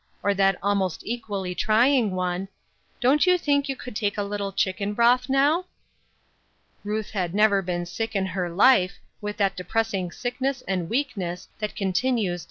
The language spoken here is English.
or that almost equally trying one, " Don't you think you could take a little chicken broth now ?" Ruth had never been sick in her life, with that depressing sickness and weakness that continues WAITING.